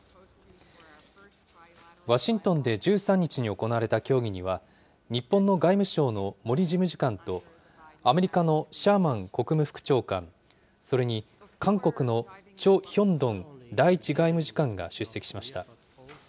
ワシントンで１３日に行われた協議には、日本の外務省の森事務次官と、アメリカのシャーマン国務副長官、それに韓国のチョ・ヒョンドン第１外務次官が出席しました。